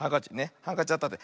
ハンカチあったって。